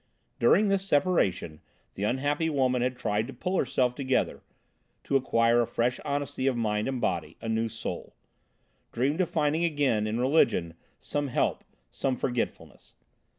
During this separation the unhappy woman had tried to pull herself together, to acquire a fresh honesty of mind and body, a new soul; dreamed of finding again in religion some help, some forgetfulness.